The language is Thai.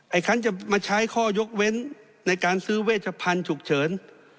คันจะมาใช้ข้อยกเว้นในการซื้อเวชพันธุ์ฉุกเฉิน